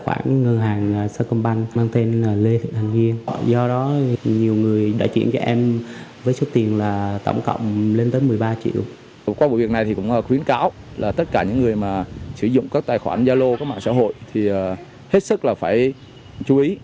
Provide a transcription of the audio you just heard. các đối tượng sử dụng các tài khoản gia lô của mạng xã hội thì hết sức là phải chú ý